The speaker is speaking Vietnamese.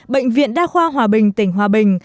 bệnh viện đa khoa hòa bình tỉnh hòa bình